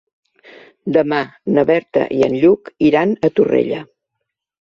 Demà na Berta i en Lluc iran a Torrella.